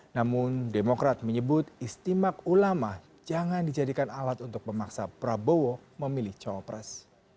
namun demokrat menyebut istimak ulama jangan dijadikan alat untuk memaksa prabowo memilih cowok pres